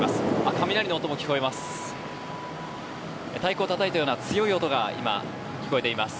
雷の音も聞こえます。